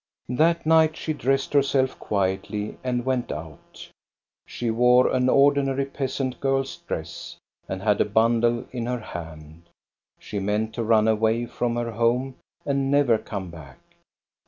That night she dressed herself quietly, and went out. She wore an ordinary peasant girFs dress, and had a bundle in her hand. She meant to run away from her home and never come back.